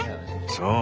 そう。